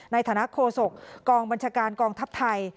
ในฐานะโคศกกองบัญชาการกองทัพไทย